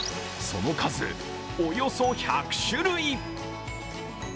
その数、およそ１００種類。